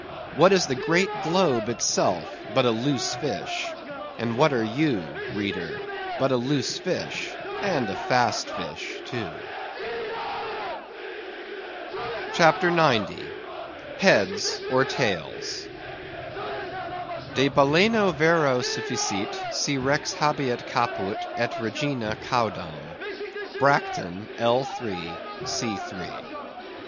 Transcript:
What is the great globe itself but a Loose Fish? And what are you, reader, but a Loose Fish and a Fast Fish, too? CHAPTER 90. Heads or Tails. "De balena vero sufficit, si rex habeat caput, et regina caudam." _Bracton, l. 3, c. 3.